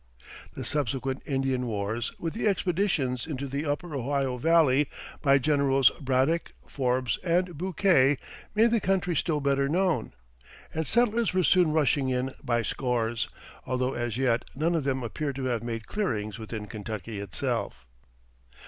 The subsequent Indian wars, with the expeditions into the upper Ohio Valley by Generals Braddock, Forbes, and Bouquet, made the country still better known; and settlers were soon rushing in by scores, although as yet none of them appear to have made clearings within Kentucky itself.